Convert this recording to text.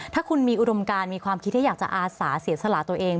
ถ้าคุณมีอุดมการมีความคิดที่อยากจะอาสาเสียสละตัวเอง